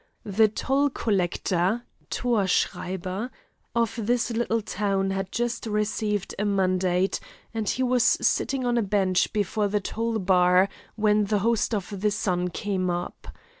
The toll collector (Thorschreiber) of this little town had just received a mandate, and he was sitting on a bench before the toll bar, when the "Host of the Sun" came up.